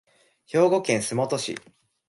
兵庫県洲本市